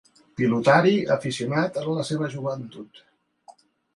Pilotari aficionat en la seva joventut.